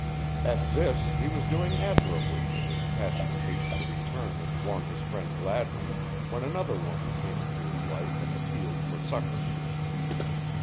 At this he was doing admirably in his passionate haste to return and warn his friend Gladwin when another woman came into his life and appealed for succor.